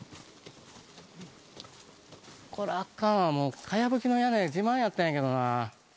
これはあかんわ、もう、かやぶきの屋根、自慢やったんやけどな。